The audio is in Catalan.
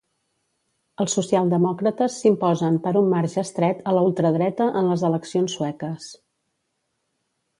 Els socialdemòcrates s'imposen per un marge estret a la ultradreta en les eleccions sueques.